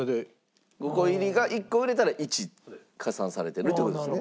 ５個入りが１個売れたら１加算されてるって事ですね。